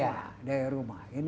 ya dari rumah